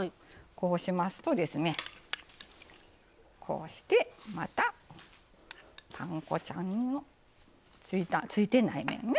こうしますとですねこうしてまたパン粉ちゃんのついてない面ね